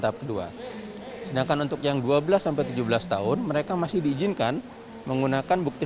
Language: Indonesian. tahap kedua sedangkan untuk yang dua belas tujuh belas tahun mereka masih diizinkan menggunakan bukti